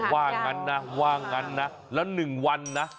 ว่างั้นนะว่างั้นนะแล้ว๑วันนะ